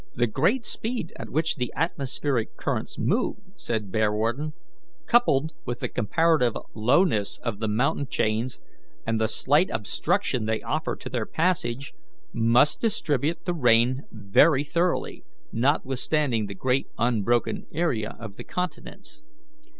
"The great speed at which the atmospheric currents move," said Bearwarden, "coupled with the comparative lowness of the mountain chains and the slight obstruction they offer to their passage, must distribute the rain very thoroughly, notwithstanding the great unbroken area of the continents.